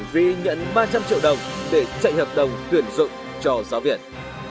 vì nhận ba trăm linh triệu đồng để chạy hợp đồng tuyển dụng cho giáo viên